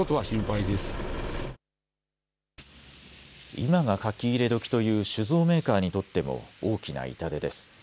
今がかき入れ時という酒造メーカーにとっても大きな痛手です。